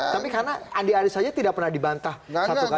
tapi karena andi arief saja tidak pernah dibantah satu kali